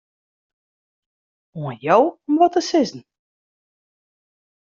Oan jo om wat te sizzen.